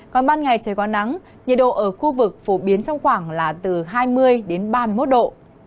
còn ban ngày trời có nắng nhiệt độ ở khu vực phổ biến trong khoảng là từ hai mươi đến ba mươi một độ